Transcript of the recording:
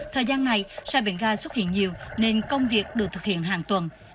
thời gian này xa biển gai xuất hiện nhiều nên công việc được thực hiện hàng tuần